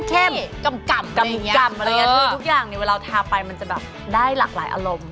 กำกำอะไรอย่างนี้คือทุกอย่างเนี่ยเวลาทาไปมันจะแบบได้หลากหลายอารมณ์